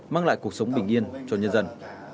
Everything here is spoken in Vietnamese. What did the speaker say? mang lại cuộc sống bình yên cho nhân dân